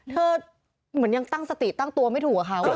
เหมือนยังตั้งสติตั้งตัวไม่ถูกกับเขา